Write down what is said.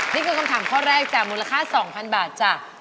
นี่คือกำถังข้อแรกแต่ราคา๒๐๐๐บาทจ้ะ